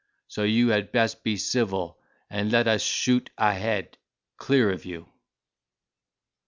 So you had best be civil, and let us shoot a head, clear of you."